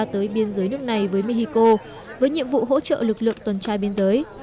tới biên giới nước này với mexico với nhiệm vụ hỗ trợ lực lượng tuần trai biên giới